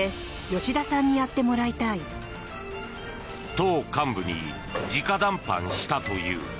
党幹部に直談判したという。